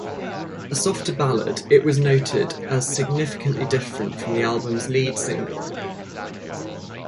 A softer ballad, it was noted as significantly different from the album's lead single.